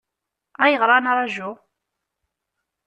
Ayɣer ad nraju?